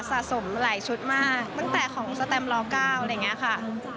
สะสมหลายชุดมากตั้งแต่ของสแตมล๙อะไรอย่างนี้ค่ะ